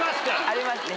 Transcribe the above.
ありますね。